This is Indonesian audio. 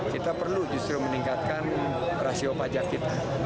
kita perlu justru meningkatkan rasio pajak kita